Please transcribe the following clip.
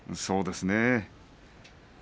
そうですね。